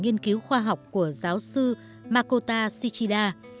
nghiên cứu khoa học của giáo sư makota shichida